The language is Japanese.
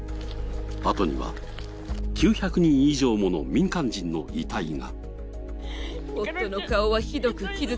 後には９００人以上もの民間人の遺体が。